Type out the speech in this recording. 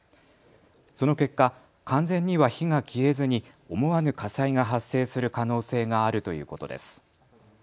その結果、完全には火が消えずに思わぬ火災が発生する可能性があるということです。